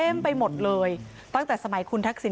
ไปหมดเลยตั้งแต่สมัยคุณทักษิณ